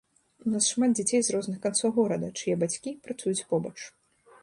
У нас шмат дзяцей з розных канцоў горада, чые бацькі працуюць побач.